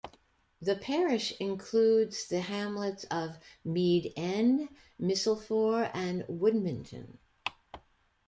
The parish includes the hamlets of Mead End, Misselfore and Woodminton.